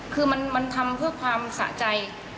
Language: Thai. คือมันทำเพื่อความสะใจ